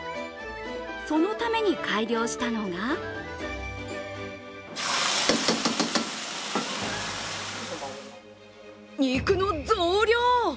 そのために改良したのが肉の増量！